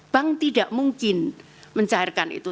bank tidak mungkin mencairkan itu